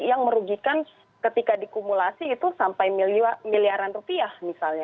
yang merugikan ketika dikumulasi itu sampai miliaran rupiah misalnya